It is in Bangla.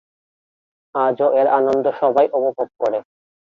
আজও এর আনন্দ সবাই উপভোগ করে।